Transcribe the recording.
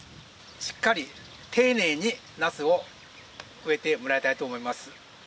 しっかり丁寧にナスを植えてもらいたいと思います。